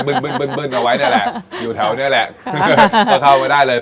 บึ้งบึ้งบึ้งเอาไว้เนี่ยแหละอยู่แถวเนี่ยแหละก็เข้ามาได้เลย